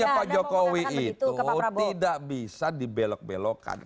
ya pak jokowi itu tidak bisa dibelok belokkan